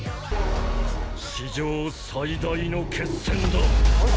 史上最大の決戦だ！